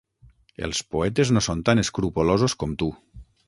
Els poetes no són tan escrupolosos com tu.